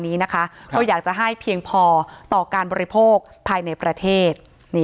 นี้นะคะก็อยากจะให้เพียงพอต่อการบริโภคภายในประเทศ